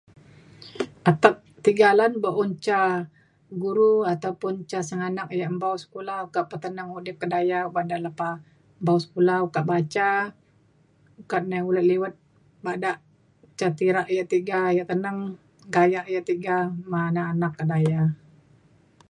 atek tiga lan buk un ca guru ataupun ca sengganak yak mpau sekula ukat peteneng udip kedaya uban da lepa mbau sekula ukat baca ukat nai ulek liwet bada ca tirak yak tiga yak teneng gayak yak ma anak anak daya.